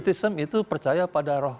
fetisim itu percaya pada rohani